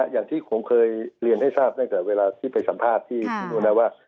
อย่างที่ผมเคยเรียนให้ทราบนั่นเกิดเวลาที่ไปสัมภาษณ์ที่รู้ได้ว่า